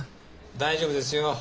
大丈夫ですよ。